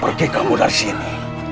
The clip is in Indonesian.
pergi kamu dari sini